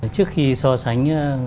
trước khi so sánh